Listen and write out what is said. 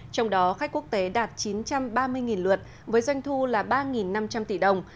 trong đó khách quốc tế đạt chín trăm ba mươi lượt với doanh thu là ba năm trăm linh tỷ đồng